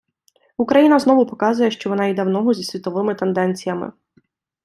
Україна знову показує, що вона іде в ногу зі світовими тенденціями.